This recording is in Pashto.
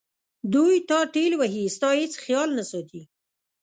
دوی تا ټېل وهي ستا هیڅ خیال نه ساتي.